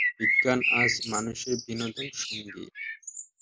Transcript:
বিজ্ঞান আজ মানুষের বিনোদনসঙ্গী।